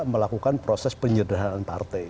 melakukan proses penyederhanan partai